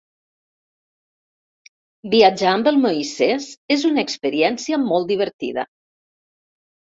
Viatjar amb el Moisès és una experiència molt divertida.